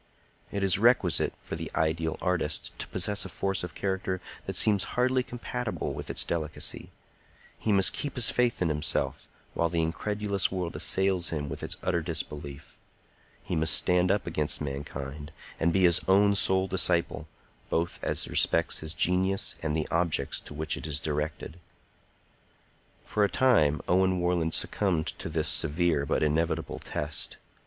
It is requisite for the ideal artist to possess a force of character that seems hardly compatible with its delicacy; he must keep his faith in himself while the incredulous world assails him with its utter disbelief; he must stand up against mankind and be his own sole disciple, both as respects his genius and the objects to which it is directed. For a time Owen Warland succumbed to this severe but inevitable test.